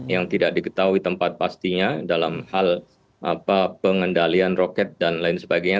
yang tidak diketahui tempat pastinya dalam hal pengendalian roket dan lain sebagainya